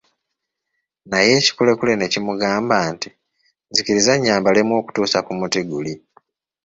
Naye ekikulekule ne kimugamba nti, nzikiriza nnyambalemu okutuusa ku muti guli.